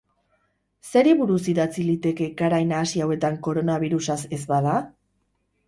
Zeri buruz idatzi liteke garai nahasi hauetan koronabirusaz ez bada?